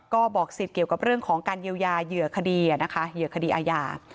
ก็บอกสิทธิ์เกี่ยวกับเรื่องของการเยียวยาเหยื่อคดีนะคะเหยื่อคดีอาญา